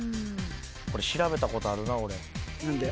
これ調べたことあるな俺何で？